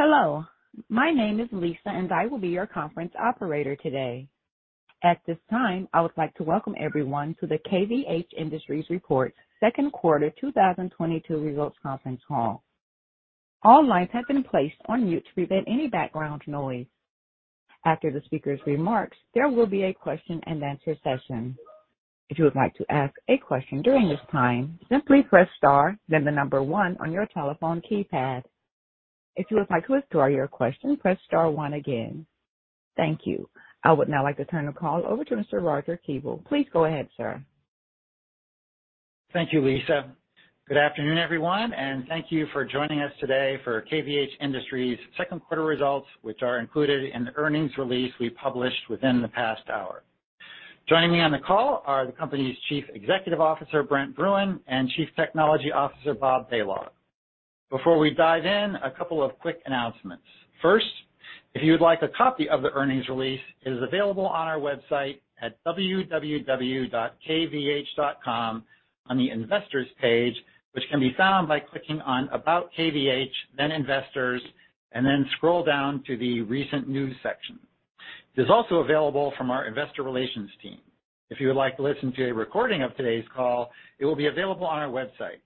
Hello. My name is Lisa, and I will be your conference operator today. At this time, I would like to welcome everyone to the KVH Industries second quarter 2022 results conference call. All lines have been placed on mute to prevent any background noise. After the speaker's remarks, there will be a question-and-answer session. If you would like to ask a question during this time, simply press star, then the number one on your telephone keypad. If you would like to withdraw your question, press star one again. Thank you. I would now like to turn the call over to Mr. Roger Kuebel. Please go ahead, sir. Thank you, Lisa. Good afternoon, everyone, and thank you for joining us today for KVH Industries second quarter results, which are included in the earnings release we published within the past hour. Joining me on the call are the company's Chief Executive Officer, Brent Bruun, and Chief Technology Officer, Bob Balog. Before we dive in, a couple of quick announcements. First, if you would like a copy of the earnings release, it is available on our website at www.kvh.com on the Investors page, which can be found by clicking on About KVH, then Investors, and then scroll down to the Recent News section. It is also available from our investor relations team. If you would like to listen to a recording of today's call, it will be available on our website.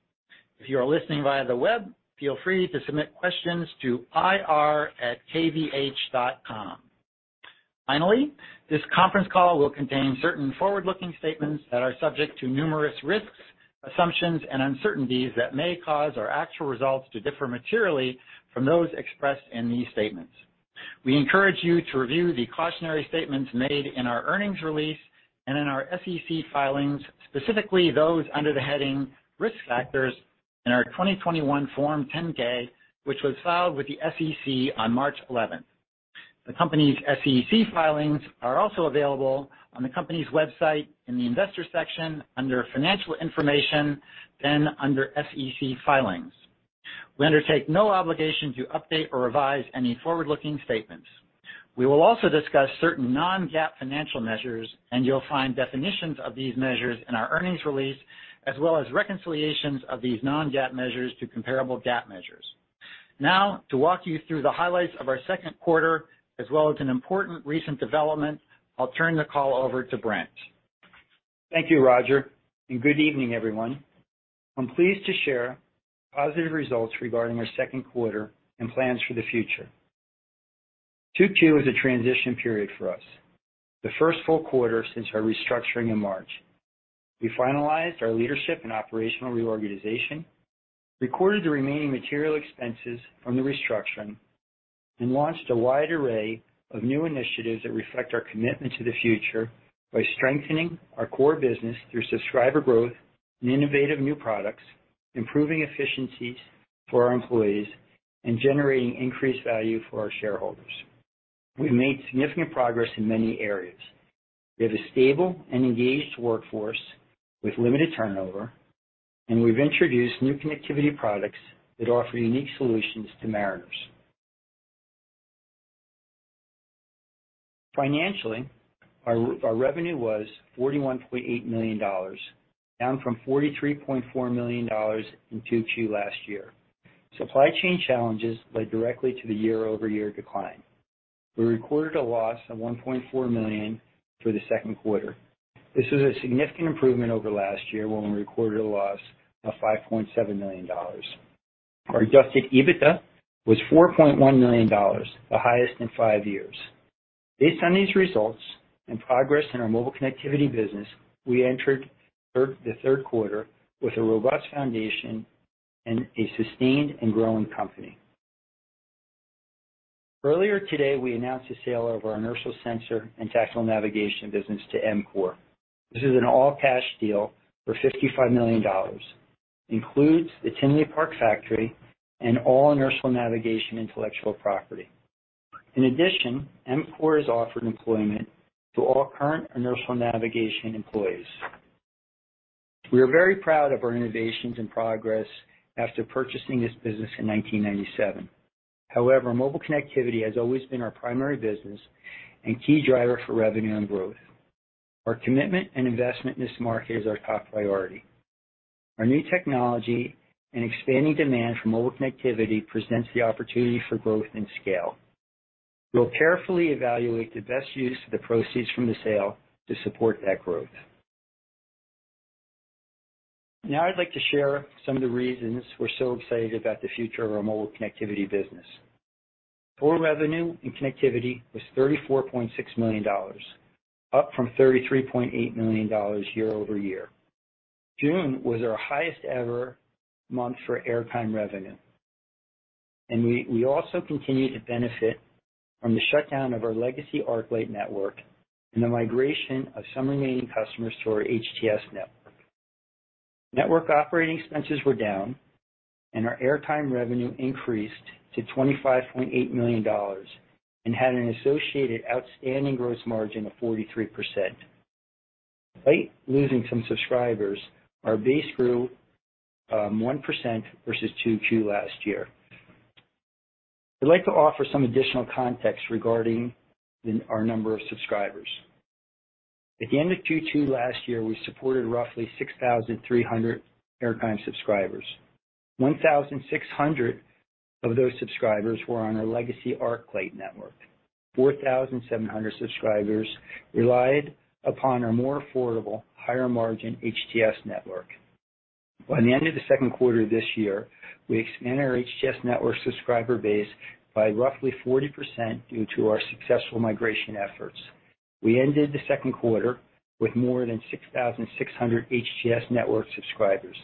If you are listening via the web, feel free to submit questions to ir@kvh.com. Finally, this conference call will contain certain forward-looking statements that are subject to numerous risks, assumptions, and uncertainties that may cause our actual results to differ materially from those expressed in these statements. We encourage you to review the cautionary statements made in our earnings release and in our SEC filings, specifically those under the heading Risk Factors in our 2021 Form 10-K, which was filed with the SEC on March 11. The company's SEC filings are also available on the company's website in the Investors section under Financial Information, then under SEC Filings. We undertake no obligation to update or revise any forward-looking statements. We will also discuss certain non-GAAP financial measures, and you'll find definitions of these measures in our earnings release, as well as reconciliations of these non-GAAP measures to comparable GAAP measures. Now, to walk you through the highlights of our second quarter as well as an important recent development, I'll turn the call over to Brent. Thank you, Roger, and good evening, everyone. I'm pleased to share positive results regarding our second quarter and plans for the future. 2Q is a transition period for us, the first full quarter since our restructuring in March. We finalized our leadership and operational reorganization, recorded the remaining material expenses from the restructuring, and launched a wide array of new initiatives that reflect our commitment to the future by strengthening our core business through subscriber growth and innovative new products, improving efficiencies for our employees, and generating increased value for our shareholders. We've made significant progress in many areas. We have a stable and engaged workforce with limited turnover, and we've introduced new connectivity products that offer unique solutions to mariners. Financially, our revenue was $41.8 million, down from $43.4 million in 2Q last year. Supply chain challenges led directly to the year-over-year decline. We recorded a loss of $1.4 million for the second quarter. This is a significant improvement over last year when we recorded a loss of $5.7 million. Our Adjusted EBITDA was $4.1 million, the highest in five years. Based on these results and progress in our mobile connectivity business, we entered the third quarter with a robust foundation and a sustained and growing company. Earlier today, we announced the sale of our inertial sensor and tactical navigation business to EMCORE. This is an all-cash deal for $55 million, includes the Tinley Park factory and all inertial navigation intellectual property. In addition, EMCORE has offered employment to all current inertial navigation employees. We are very proud of our innovations and progress after purchasing this business in 1997. However, mobile connectivity has always been our primary business and key driver for revenue and growth. Our commitment and investment in this market is our top priority. Our new technology and expanding demand for mobile connectivity presents the opportunity for growth and scale. We'll carefully evaluate the best use of the proceeds from the sale to support that growth. Now, I'd like to share some of the reasons we're so excited about the future of our mobile connectivity business. Total revenue in connectivity was $34.6 million, up from $33.8 million year-over-year. June was our highest ever month for airtime revenue, and we also continue to benefit from the shutdown of our legacy ArcLight network and the migration of some remaining customers to our HTS network. Network operating expenses were down, and our airtime revenue increased to $25.8 million and had an associated outstanding gross margin of 43%. Despite losing some subscribers, our base grew 1% versus 2Q last year. I'd like to offer some additional context regarding our number of subscribers. At the end of Q2 last year, we supported roughly 6,300 airtime subscribers. 1,600 of those subscribers were on our legacy ArcLight network. 4,700 subscribers relied upon our more affordable, higher margin HTS network. By the end of the second quarter this year, we expanded our HTS network subscriber base by roughly 40% due to our successful migration efforts. We ended the second quarter with more than 6,600 HTS network subscribers.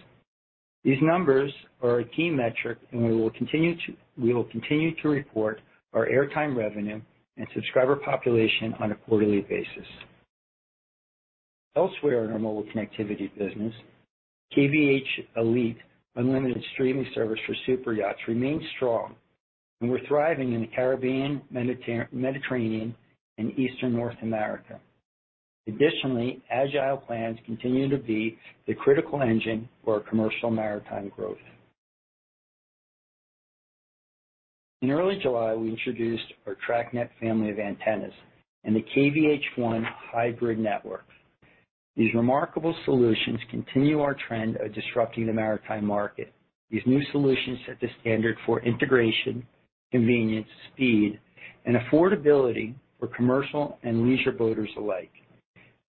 These numbers are a key metric, and we will continue to report our airtime revenue and subscriber population on a quarterly basis. Elsewhere in our mobile connectivity business, KVH Elite unlimited streaming service for super yachts remains strong, and we're thriving in the Caribbean, Mediterranean, and Eastern North America. Additionally, AgilePlans continue to be the critical engine for our commercial maritime growth. In early July, we introduced our TracNet family of antennas and the KVH ONE hybrid network. These remarkable solutions continue our trend of disrupting the maritime market. These new solutions set the standard for integration, convenience, speed, and affordability for commercial and leisure boaters alike.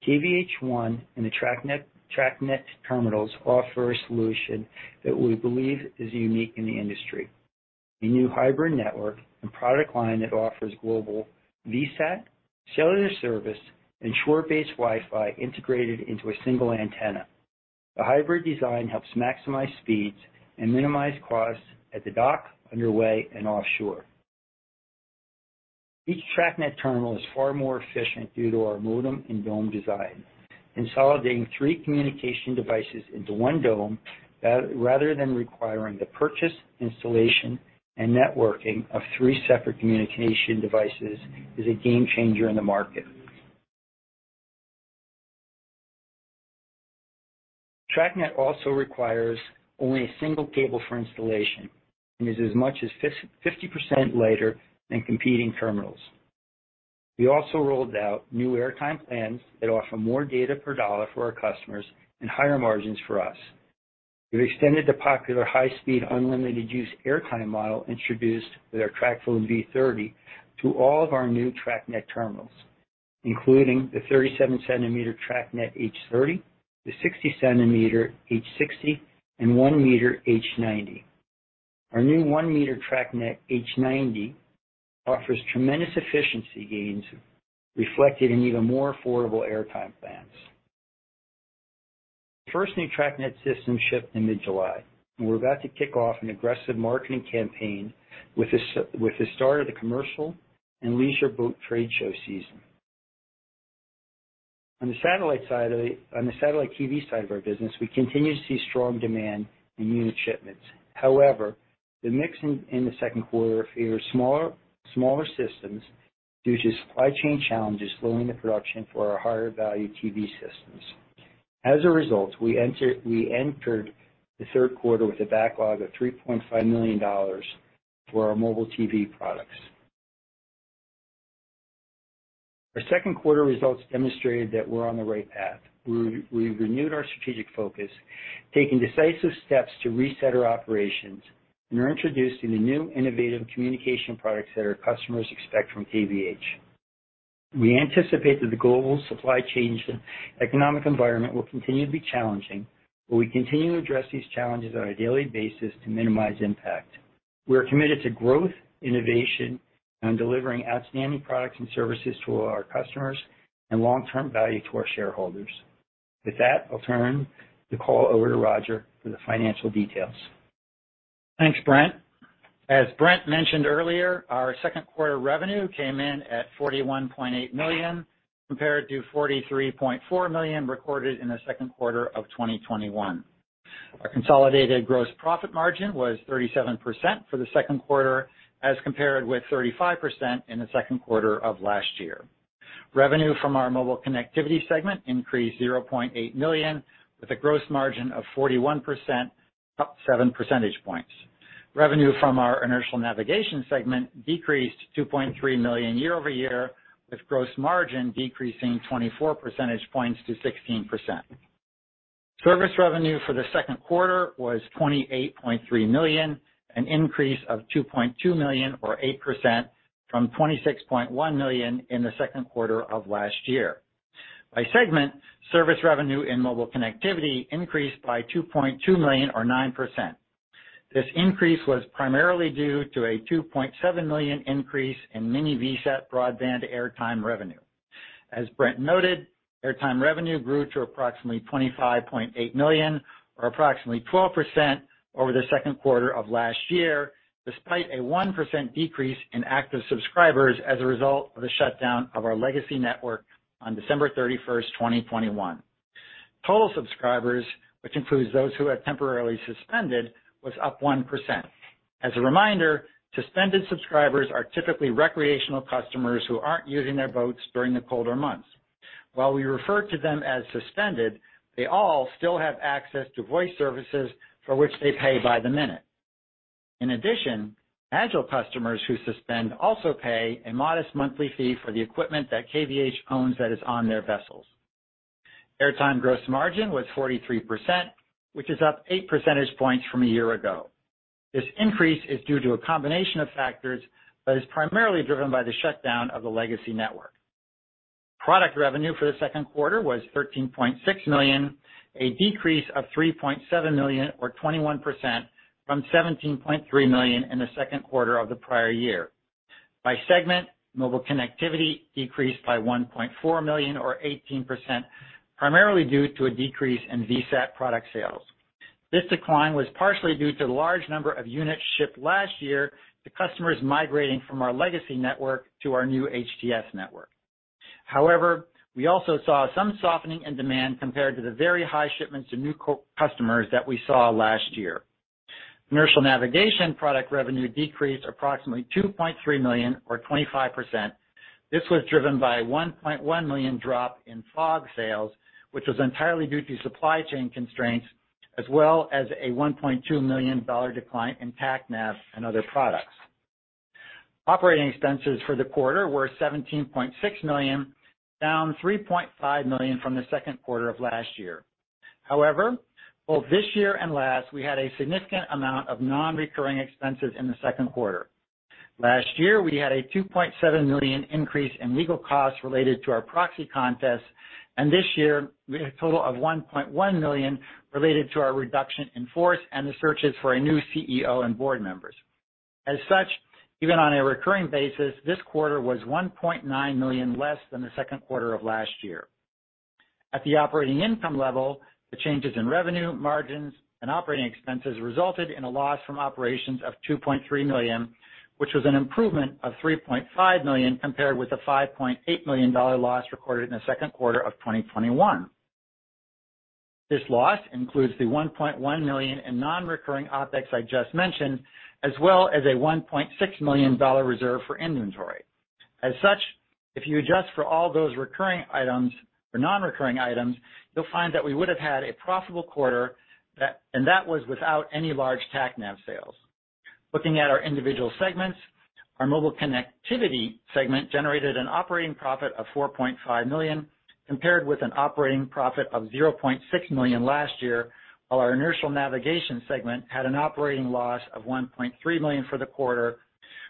KVH ONE and the TracNet terminals offer a solution that we believe is unique in the industry. The new hybrid network and product line that offers global VSAT, cellular service, and shore-based Wi-Fi integrated into a single antenna. The hybrid design helps maximize speeds and minimize costs at the dock, underway, and offshore. Each TracNet terminal is far more efficient due to our modem and dome design. Consolidating three communication devices into one dome, rather than requiring the purchase, installation, and networking of three separate communication devices, is a game changer in the market. TracNet also requires only a single cable for installation and is as much as 50% lighter than competing terminals. We also rolled out new airtime plans that offer more data per dollar for our customers and higher margins for us. We've extended the popular high-speed, unlimited use airtime model introduced with our TracPhone V30 to all of our new TracNet terminals, including the 37-centimeter TracNet H30, the 60-centimeter H60, and 1-meter H90. Our new 1-meter TracNet H90 offers tremendous efficiency gains reflected in even more affordable airtime plans. The first new TracNet system shipped in mid-July, and we're about to kick off an aggressive marketing campaign with the start of the commercial and leisure boat trade show season. On the satellite TV side of our business, we continue to see strong demand in unit shipments. However, the mix in the second quarter favored smaller systems due to supply chain challenges slowing the production for our higher value TV systems. As a result, we entered the third quarter with a backlog of $3.5 million for our mobile TV products. Our second quarter results demonstrated that we're on the right path. We've renewed our strategic focus, taking decisive steps to reset our operations, and are introducing the new innovative communication products that our customers expect from KVH. We anticipate that the global supply chain economic environment will continue to be challenging, but we continue to address these challenges on a daily basis to minimize impact. We are committed to growth, innovation, and delivering outstanding products and services to our customers and long-term value to our shareholders. With that, I'll turn the call over to Roger for the financial details. Thanks, Brent. As Brent mentioned earlier, our second quarter revenue came in at $41.8 million, compared to $43.4 million recorded in the second quarter of 2021. Our consolidated gross profit margin was 37% for the second quarter, as compared with 35% in the second quarter of last year. Revenue from our mobile connectivity segment increased $0.8 million with a gross margin of 41%, up 7 percentage points. Revenue from our inertial navigation segment decreased $2.3 million year-over-year, with gross margin decreasing 24 percentage points to 16%. Service revenue for the second quarter was $28.3 million, an increase of $2.2 million or 8% from $26.1 million in the second quarter of last year. By segment, service revenue in mobile connectivity increased by $2.2 million or 9%. This increase was primarily due to a $2.7 million increase in mini-VSAT Broadband airtime revenue. As Brent noted, airtime revenue grew to approximately $25.8 million or approximately 12% over the second quarter of last year, despite a 1% decrease in active subscribers as a result of the shutdown of our legacy network on December 31st, 2021. Total subscribers, which includes those who have temporarily suspended, was up 1%. As a reminder, suspended subscribers are typically recreational customers who aren't using their boats during the colder months. While we refer to them as suspended, they all still have access to voice services for which they pay by the minute. In addition, Agile customers who suspend also pay a modest monthly fee for the equipment that KVH owns that is on their vessels. Airtime gross margin was 43%, which is up 8 percentage points from a year ago. This increase is due to a combination of factors, but is primarily driven by the shutdown of the legacy network. Product revenue for the second quarter was $13.6 million, a decrease of $3.7 million or 21% from $17.3 million in the second quarter of the prior year. By segment, mobile connectivity decreased by $1.4 million or 18%, primarily due to a decrease in VSAT product sales. This decline was partially due to the large number of units shipped last year to customers migrating from our legacy network to our new HTS network. However, we also saw some softening in demand compared to the very high shipments to new customers that we saw last year. Inertial navigation product revenue decreased approximately $2.3 million or 25%. This was driven by $1.1 million drop in FOG sales, which was entirely due to supply chain constraints, as well as a $1.2 million decline in TACNAV and other products. Operating expenses for the quarter were $17.6 million, down $3.5 million from the second quarter of last year. However, both this year and last, we had a significant amount of non-recurring expenses in the second quarter. Last year, we had a $2.7 million increase in legal costs related to our proxy contest, and this year we had a total of $1.1 million related to our reduction in force and the searches for a new CEO and board members. As such, even on a recurring basis, this quarter was $1.9 million less than the second quarter of last year. At the operating income level, the changes in revenue, margins, and operating expenses resulted in a loss from operations of $2.3 million, which was an improvement of $3.5 million compared with the $5.8 million loss recorded in the second quarter of 2021. This loss includes the $1.1 million in non-recurring OpEx I just mentioned, as well as a $1.6 million reserve for inventory. As such, if you adjust for all those recurring items or non-recurring items, you'll find that we would have had a profitable quarter, and that was without any large TACNAV sales. Looking at our individual segments, our mobile connectivity segment generated an operating profit of $4.5 million compared with an operating profit of $0.6 million last year, while our inertial navigation segment had an operating loss of $1.3 million for the quarter,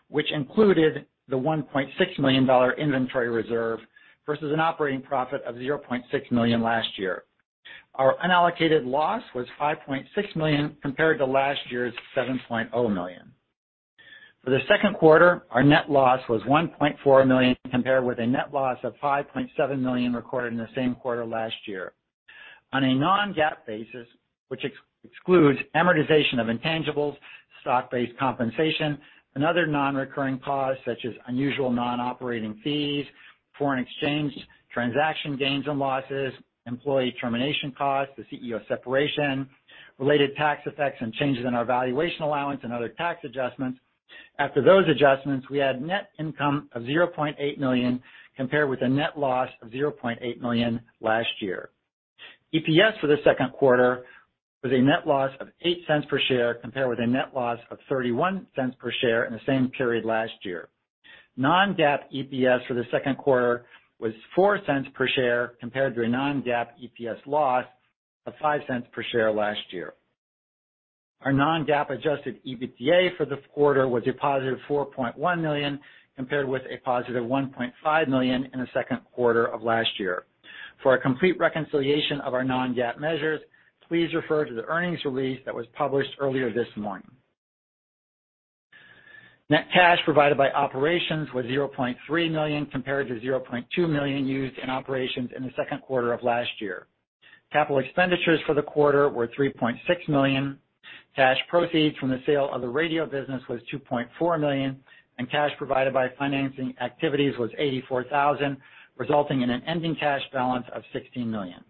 which included the $1.6 million inventory reserve versus an operating profit of $0.6 million last year. Our unallocated loss was $5.6 million compared to last year's $7.0 million. For the second quarter, our net loss was $1.4 million compared with a net loss of $5.7 million recorded in the same quarter last year. On a non-GAAP basis, which excludes amortization of intangibles, stock-based compensation, and other non-recurring costs such as unusual non-operating fees, foreign exchange, transaction gains and losses, employee termination costs, the CEO separation, related tax effects and changes in our valuation allowance and other tax adjustments. After those adjustments, we had net income of $0.8 million compared with a net loss of $0.8 million last year. EPS for the second quarter was a net loss of $0.08 per share compared with a net loss of $0.31 per share in the same period last year. Non-GAAP EPS for the second quarter was $0.04 per share compared to a non-GAAP EPS loss of $0.05 per share last year. Our non-GAAP Adjusted EBITDA for the quarter was a +$4.1 million compared with a +$1.5 million in the second quarter of last year. For a complete reconciliation of our non-GAAP measures, please refer to the earnings release that was published earlier this morning. Net cash provided by operations was $0.3 million compared to $0.2 million used in operations in the second quarter of last year. Capital expenditures for the quarter were $3.6 million. Cash proceeds from the sale of the radio business was $2.4 million, and cash provided by financing activities was $84,000, resulting in an ending cash balance of $16 million.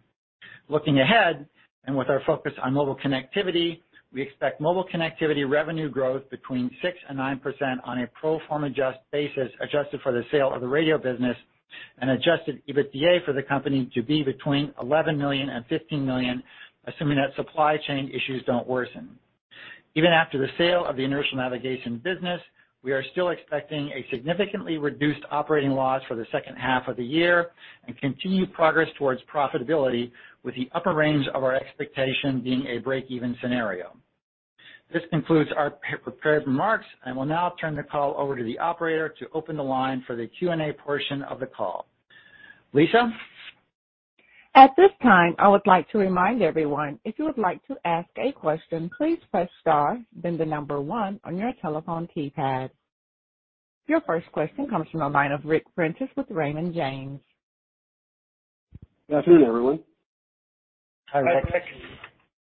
Looking ahead, with our focus on mobile connectivity, we expect mobile connectivity revenue growth between 6% and 9% on a pro forma adjusted basis, adjusted for the sale of the radio business and Adjusted EBITDA for the company to be between $11 million and $15 million, assuming that supply chain issues don't worsen. Even after the sale of the inertial navigation business, we are still expecting a significantly reduced operating loss for the second half of the year and continued progress towards profitability with the upper range of our expectation being a break-even scenario. This concludes our prepared remarks. I will now turn the call over to the operator to open the line for the Q&A portion of the call. Lisa? At this time, I would like to remind everyone, if you would like to ask a question, please press star, then the number one on your telephone keypad. Your first question comes from the line of Ric Prentiss with Raymond James. Good afternoon, everyone. Hi, Ric.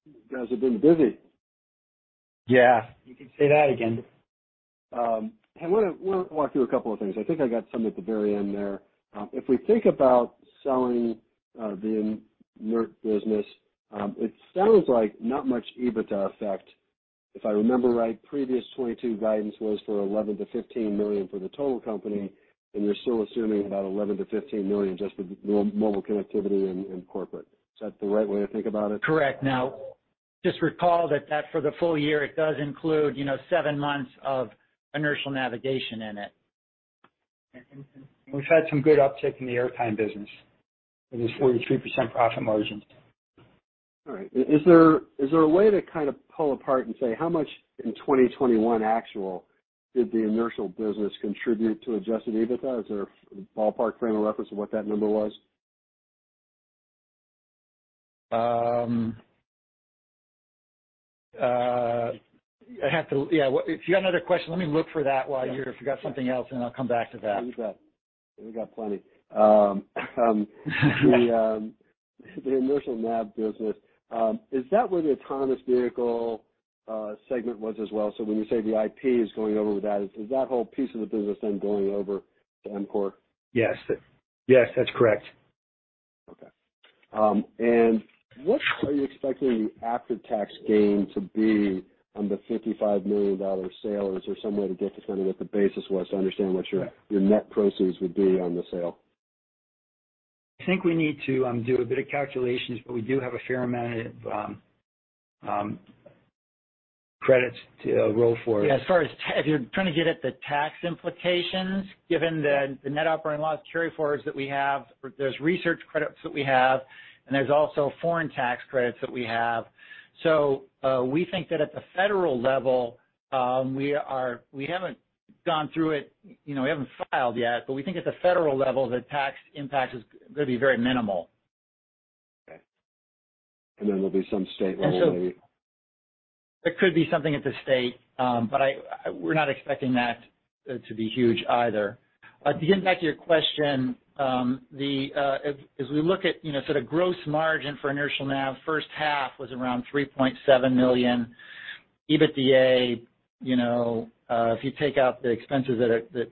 You guys have been busy. Yeah, you can say that again. I wanna walk through a couple of things. I think I got some at the very end there. If we think about selling the inertial business, it sounds like not much EBITDA effect. If I remember right, previous 2022 guidance was for $11 million-$15 million for the total company, and you're still assuming about $11 million-$15 million just for the mobile connectivity and corporate. Is that the right way to think about it? Correct. Now, just recall that for the full year, it does include, you know, seven months of inertial navigation in it. We've had some good uptick in the airtime business with its 43% profit margins. All right. Is there a way to kind of pull apart and say how much in 2021 actually did the inertial business contribute to Adjusted EBITDA? Is there a ballpark frame of reference of what that number was? Yeah, if you got another question, let me look for that. If you got something else, then I'll come back to that. We've got plenty. The inertial nav business, is that where the autonomous vehicle segment was as well? When you say the IP is going over with that, is that whole piece of the business then going over to EMCORE? Yes. Yes, that's correct. Okay. What are you expecting the after-tax gain to be on the $55 million sale? Is there some way to get to kind of what the basis was to understand what your- Yeah. Your net proceeds would be on the sale? I think we need to do a bit of calculations, but we do have a fair amount of credits to roll forward. Yeah, as far as if you're trying to get at the tax implications, given the net operating loss carryforwards that we have, there's research credits that we have, and there's also foreign tax credits that we have. We think that at the federal level, we haven't gone through it, you know, we haven't filed yet, but we think at the federal level, the tax impact is gonna be very minimal. Okay. There'll be some state level maybe. Yeah, there could be something at the state. We're not expecting that to be huge either. To get back to your question, as we look at, you know, sort of gross margin for inertial nav, first half was around $3.7 million. EBITDA, you know, if you take out the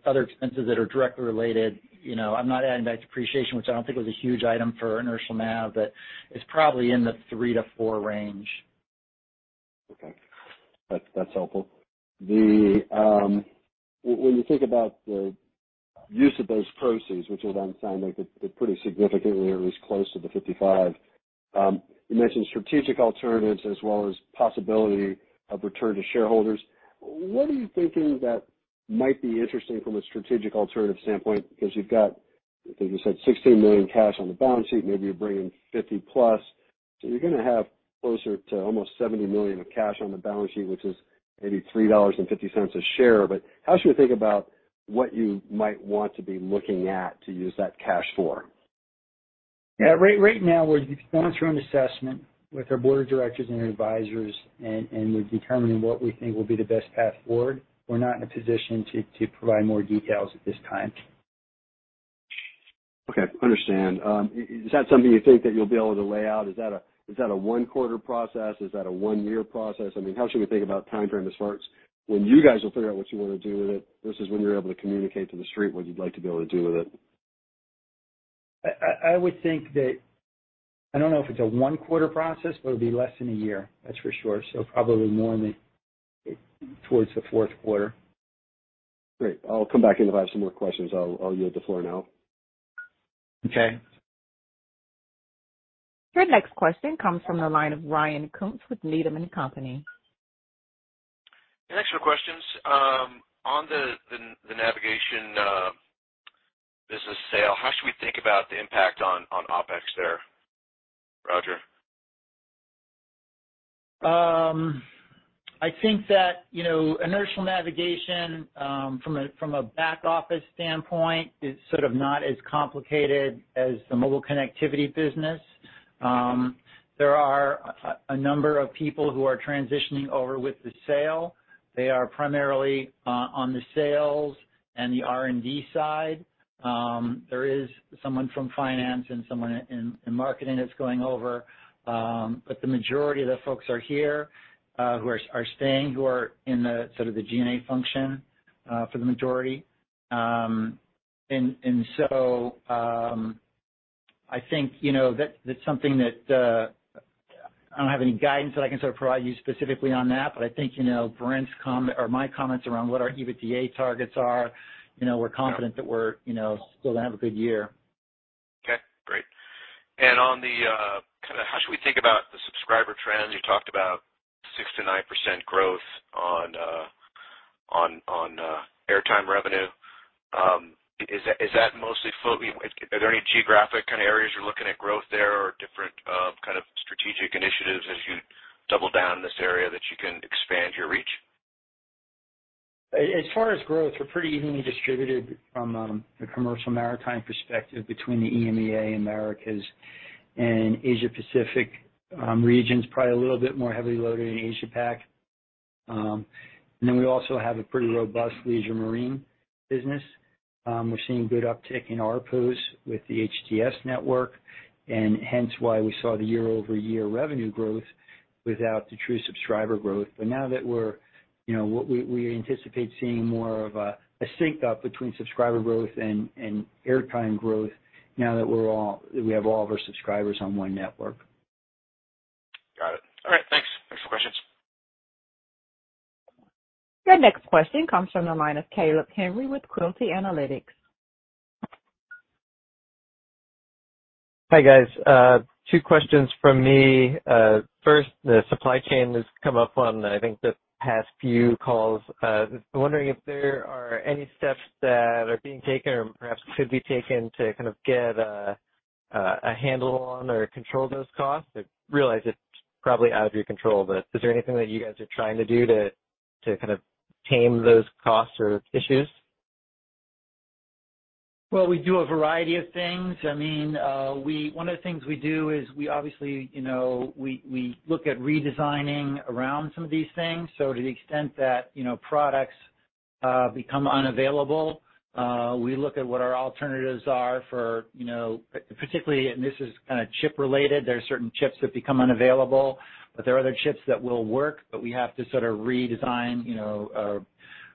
other expenses that are directly related, you know, I'm not adding back depreciation, which I don't think was a huge item for inertial nav, but it's probably in the $3 million-$4 million range. Okay. That's helpful. When you think about the use of those proceeds, which it does sound like it's pretty significant or at least close to the $55 million, you mentioned strategic alternatives as well as possibility of return to shareholders. What are you thinking that might be interesting from a strategic alternative standpoint? Because you've got, I think you said $16 million cash on the balance sheet. Maybe you bring in $50+ million. So you're gonna have closer to almost $70 million of cash on the balance sheet, which is maybe $3.50 a share. How should we think about what you might want to be looking at to use that cash for? Yeah. Right, right now, we're going through an assessment with our board of directors and our advisors, and we're determining what we think will be the best path forward. We're not in a position to provide more details at this time. Okay. Understand. Is that something you think that you'll be able to lay out? Is that a, is that a one quarter process? Is that a one year process? I mean, how should we think about timeframe as far as when you guys will figure out what you wanna do with it versus when you're able to communicate to the street what you'd like to be able to do with it? I would think that I don't know if it's a one-quarter process, but it'll be less than a year, that's for sure. Probably more towards the fourth quarter. Great. I'll come back in if I have some more questions. I'll yield the floor now. Okay. Your next question comes from the line of Ryan Koontz with Needham & Company. Thanks for questions. On the navigation business sale, how should we think about the impact on OpEx there, Roger? I think that, you know, inertial navigation from a back office standpoint is sort of not as complicated as the mobile connectivity business. There are a number of people who are transitioning over with the sale. They are primarily on the sales and the R&D side. There is someone from finance and someone in marketing that's going over. The majority of the folks are here who are staying, who are in the sort of the G&A function for the majority. I think, you know, that that's something that I don't have any guidance that I can sort of provide you specifically on that. I think, you know, Brent's comment or my comments around what our EBITDA targets are, you know, we're confident that we're, you know, still gonna have a good year. Okay, great. On the kind of how should we think about the subscriber trends? You talked about 6%-9% growth on airtime revenue. Are there any geographic kind of areas you're looking at growth there or different kind of strategic initiatives as you double down in this area that you can expand your reach? As far as growth, we're pretty evenly distributed from the commercial maritime perspective between the EMEA, Americas, and Asia Pacific regions. Probably a little bit more heavily loaded in Asia Pac. We also have a pretty robust leisure marine business. We're seeing good uptick in ARPUs with the HTS network and hence why we saw the year-over-year revenue growth without the true subscriber growth. Now, that we're, you know, we anticipate seeing more of a sync up between subscriber growth and airtime growth now that we have all of our subscribers on one network. Got it. All right. Thanks for questions. Your next question comes from the line of Caleb Henry with Quilty Analytics. Hi, guys. Two questions from me. First, the supply chain has come up on, I think, the past few calls. Just wondering if there are any steps that are being taken or perhaps could be taken to kind of get a handle on or control those costs. I realize it's probably out of your control, but is there anything that you guys are trying to do to kind of tame those costs or issues? Well, we do a variety of things. I mean, one of the things we do is we obviously, you know, we look at redesigning around some of these things. To the extent that, you know, products become unavailable, we look at what our alternatives are for, you know, particularly, and this is kinda chip-related. There are certain chips that become unavailable, but there are other chips that will work, but we have to sort of redesign, you know,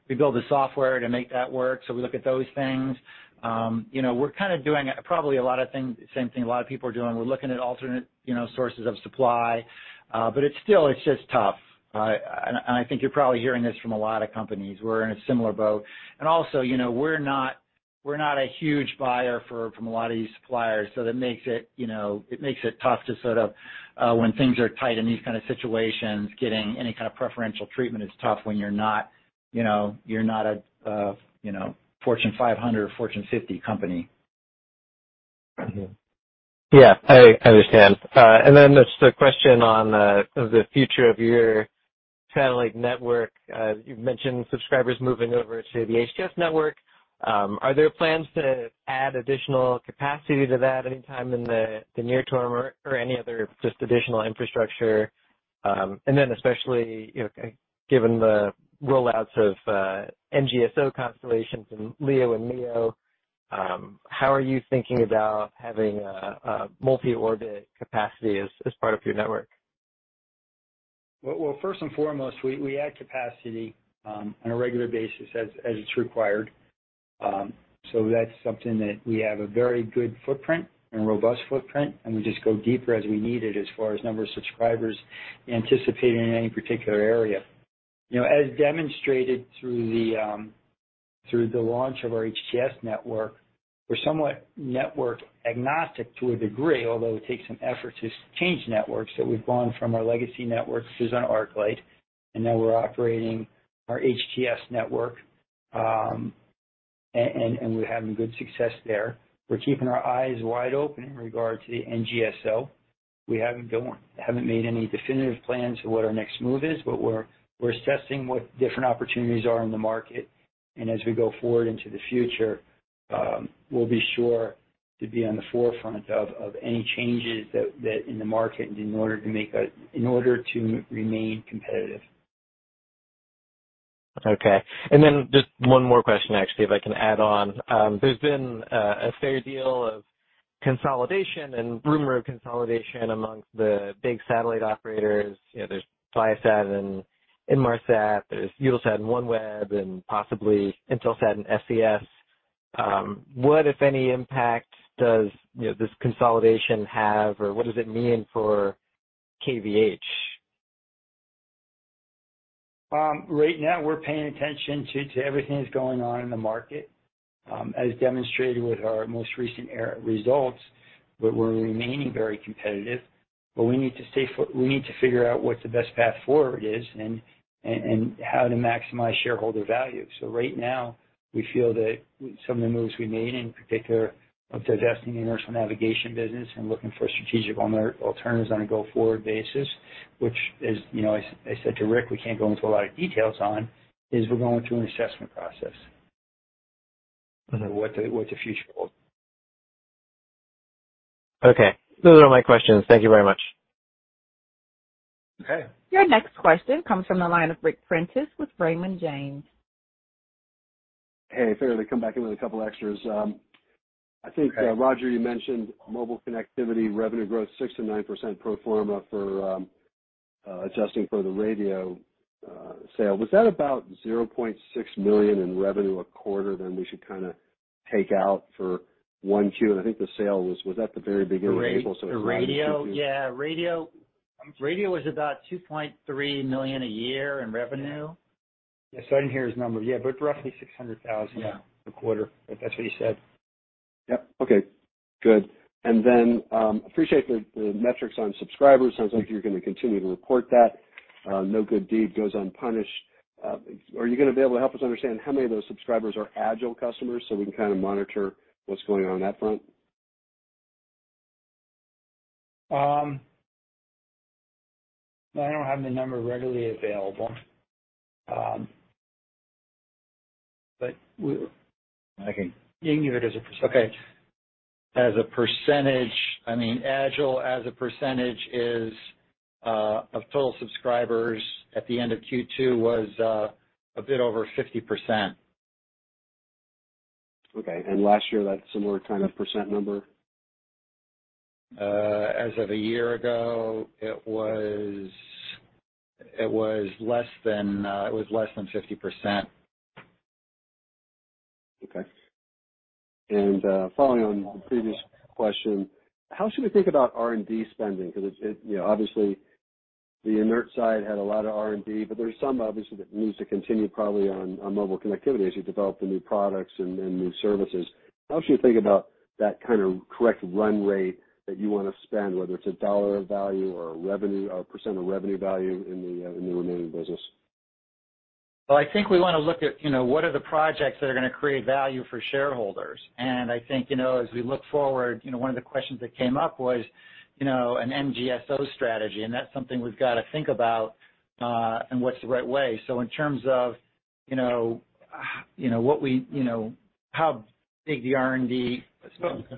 rebuild the software to make that work, so we look at those things. You know, we're kinda doing probably a lot of things, same thing a lot of people are doing. We're looking at alternate, you know, sources of supply. But it's still, it's just tough. I think you're probably hearing this from a lot of companies. We're in a similar boat. Also, you know, we're not a huge buyer from a lot of these suppliers, so that makes it, you know, it makes it tough to sort of, when things are tight in these kind of situations, getting any kind of preferential treatment is tough when you're not, you know, you're not a, you know, Fortune 500 or Fortune 50 company. I understand. Just a question on the future of your satellite network. You've mentioned subscribers moving over to the HTS network. Are there plans to add additional capacity to that anytime in the near term or any other just additional infrastructure? Especially, you know, given the rollouts of NGSO constellations in LEO and MEO, how are you thinking about having a multi-orbit capacity as part of your network? Well, first and foremost, we add capacity on a regular basis as it's required. That's something that we have a very good footprint and robust footprint, and we just go deeper as we need it as far as number of subscribers anticipating in any particular area. You know, as demonstrated through the launch of our HTS network, we're somewhat network agnostic to a degree, although it takes some effort to change networks that we've gone from our legacy networks, which is on ArcLight, and now we're operating our HTS network, and we're having good success there. We're keeping our eyes wide open in regard to the NGSO. We haven't made any definitive plans for what our next move is, but we're assessing what different opportunities are in the market. As we go forward into the future, we'll be sure to be on the forefront of any changes that in the market in order to remain competitive. Okay. Just one more question, actually, if I can add on. There's been a fair deal of consolidation and rumor of consolidation amongst the big satellite operators. You know, there's Viasat and Inmarsat, there's Eutelsat and OneWeb, and possibly Intelsat and SES. What, if any, impact does, you know, this consolidation have, or what does it mean for KVH? Right now we're paying attention to everything that's going on in the market. As demonstrated with our most recent earnings results, we're remaining very competitive. We need to figure out what the best path forward is and how to maximize shareholder value. Right now we feel that some of the moves we made, in particular of divesting the inertial navigation business and looking for strategic alternatives on a go-forward basis, which is, you know, as I said to Ric, we can't go into a lot of details on, is we're going through an assessment process. Mm-hmm. On what the future holds. Okay. Those are all my questions. Thank you very much. Okay. Your next question comes from the line of Ric Prentiss with Raymond James. Hey, figured I'd come back in with a couple extras. Okay. I think, Roger, you mentioned mobile connectivity revenue growth 6%-9% pro forma for adjusting for the radio sale. Was that about $0.6 million in revenue a quarter, then we should kinda take out for 1Q? I think the sale was at the very beginning of April, so it was. Radio was about $2.3 million a year in revenue. Yeah. Sorry, I didn't hear his number. Yeah, but roughly 600,000- Yeah. A quarter, if that's what he said. Yep. Okay. Good. Then, appreciate the metrics on subscribers. Sounds like you're gonna continue to report that. No good deed goes unpunished. Are you gonna be able to help us understand how many of those subscribers are AgilePlans customers so we can kinda monitor what's going on on that front? I don't have the number readily available. Okay. As a percentage, I mean, AgilePlans as a percentage is of total subscribers at the end of Q2 was a bit over 50%. Okay. Last year, that similar kind of percent number? As of a year ago, it was less than 50%. Okay. Following on the previous question, how should we think about R&D spending? Because obviously, the inertial side had a lot of R&D, but there's some obviously that needs to continue probably on mobile connectivity as you develop the new products and new services. How should you think about that kind of correct run rate that you wanna spend, whether it's a dollar value or a revenue or percent of revenue value in the remaining business? Well, I think we wanna look at, you know, what are the projects that are gonna create value for shareholders. I think, you know, as we look forward, you know, one of the questions that came up was, you know, an NGSO strategy, and that's something we've gotta think about, and what's the right way. Still gonna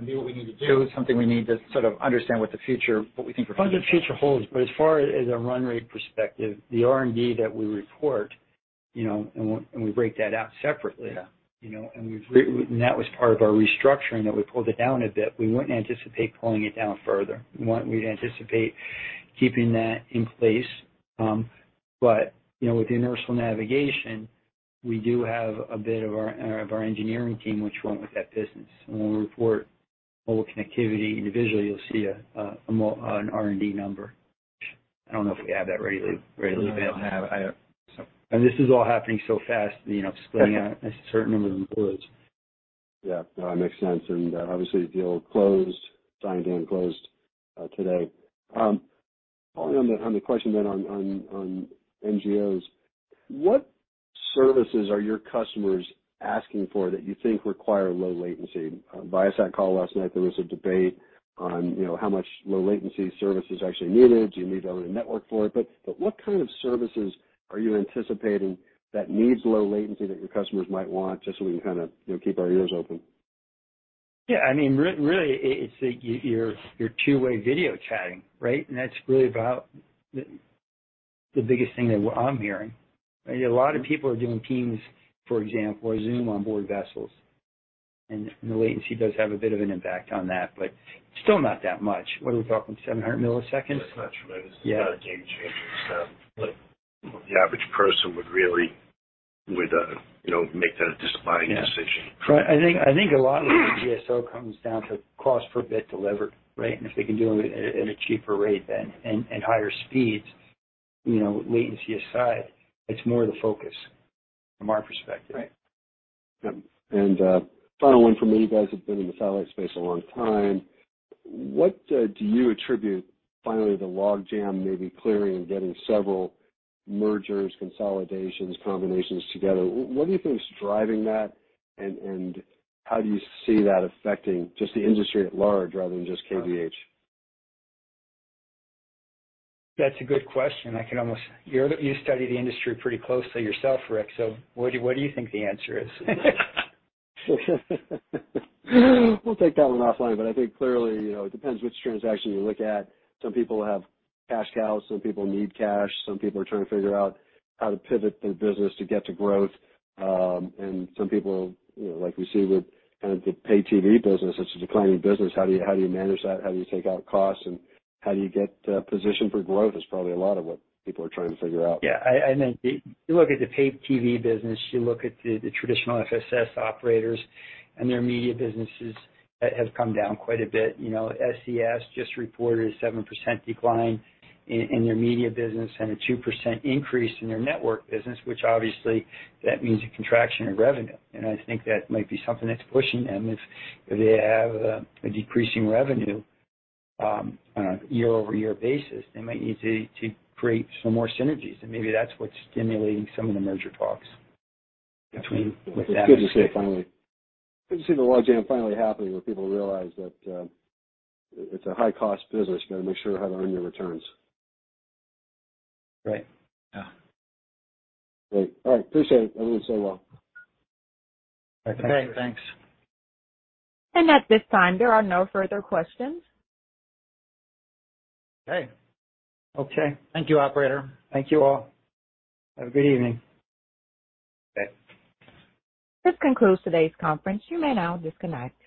do what we need to do. It's something we need to sort of understand what we think the future holds. As far as a run rate perspective, the R&D that we report, you know, and we break that out separately. Yeah. You know, and that was part of our restructuring, that we pulled it down a bit. We wouldn't anticipate pulling it down further. We anticipate keeping that in place. You know, with inertial navigation, we do have a bit of our engineering team, which went with that business. When we report mobile connectivity individually, you'll see an R&D number. I don't know if we have that readily available. We don't have it. I don't. This is all happening so fast, you know, splitting out a certain number of employees. Yeah. No, it makes sense. Obviously, the deal closed, signed and closed, today. Following on the question then on NGSO, what services are your customers asking for that you think require low latency? Viasat call last night, there was a debate on, you know, how much low latency service is actually needed. Do you need to own a network for it? But what kind of services are you anticipating that needs low latency that your customers might want, just so we can kinda, you know, keep our ears open? Yeah, I mean, really it's your two-way video chatting, right? That's really about the biggest thing that I'm hearing. A lot of people are doing Teams, for example, or Zoom on board vessels, and the latency does have a bit of an impact on that, but still not that much. What are we talking, 700 milliseconds? It's not tremendous. Yeah. It's not a game changer. Like the average person would, you know, make that a deciding decision. Yeah. Right. I think a lot of NGSO comes down to cost per bit delivered, right? If they can do it at a cheaper rate than and higher speeds, you know, latency aside, it's more the focus from our perspective. Right. Yeah. Final one for me. You guys have been in the satellite space a long time. What do you attribute finally the logjam maybe clearing and getting several mergers, consolidations, combinations together? What do you think is driving that, and how do you see that affecting just the industry at large rather than just KVH? That's a good question. You study the industry pretty closely yourself, Ric, so what do you think the answer is? We'll take that one offline, but I think clearly, you know, it depends which transaction you look at. Some people have cash cows, some people need cash, some people are trying to figure out how to pivot their business to get to growth. Some people, you know, like we see with kind of the pay TV business, it's a declining business. How do you manage that? How do you take out costs, and how do you get positioned for growth is probably a lot of what people are trying to figure out. Yeah. I think you look at the pay TV business, you look at the traditional FSS operators and their media businesses that have come down quite a bit. You know, SES just reported a 7% decline in their media business and a 2% increase in their network business, which obviously that means a contraction of revenue. I think that might be something that's pushing them. If they have a decreasing revenue on a year-over-year basis, they might need to create some more synergies, and maybe that's what's stimulating some of the merger talks between what's happening. It's good to see finally. Good to see the logjam finally happening, where people realize that, it's a high-cost business. You gotta make sure how to earn your returns. Right. Yeah. Great. All right. Appreciate it. Everyone, stay well. Okay, thanks. Thanks. At this time, there are no further questions. Okay. Thank you, operator. Thank you, all. Have a good evening. Thanks. This concludes today's conference. You may now disconnect.